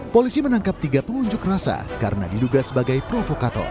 polisi menangkap tiga pengunjuk rasa karena diduga sebagai provokator